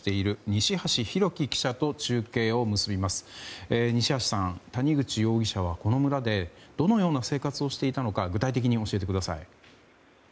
西橋さん、谷口容疑者はこの村でどのような生活をしていたのか具体的に教えてください。